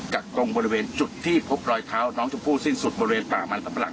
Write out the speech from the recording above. ักตรงบริเวณจุดที่พบรอยเท้าน้องชมพู่สิ้นสุดบริเวณป่ามันสำปะหลัง